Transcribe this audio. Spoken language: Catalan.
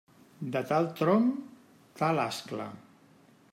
De tal tronc, tal ascla.